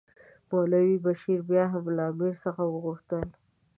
مولوي بشیر بیا هم له امیر څخه وغوښتل.